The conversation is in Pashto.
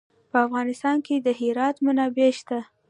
په افغانستان کې د هرات منابع شته.